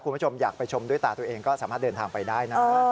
คุณผู้ชมอยากไปชมด้วยตาตัวเองก็สามารถเดินทางไปได้นะ